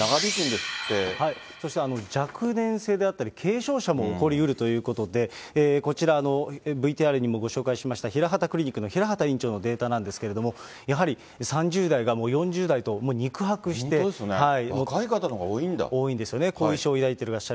そして若年性であったり、軽症者も起こりうるということで、こちら、ＶＴＲにもご紹介しました、ヒラハタクリニックの平畑院長のデータなんですけれども、やはり３０代が、本当ですね、若い方のほうが多いんですよね、後遺症をお持ちの方。